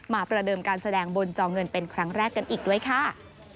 ประเดิมการแสดงบนจอเงินเป็นครั้งแรกกันอีกด้วยค่ะ